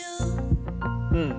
うん。